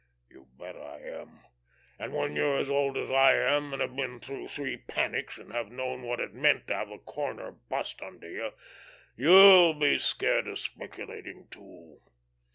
You bet I am, and when you're as old as I am, and have been through three panics, and have known what it meant to have a corner bust under you, you'll be scared of speculating too."